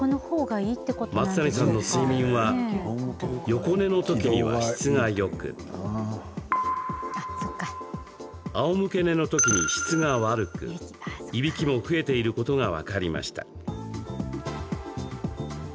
松谷さんの睡眠は横寝のときには質がよくあおむけ寝のときに質が悪くいびきも増えていることが分かりました。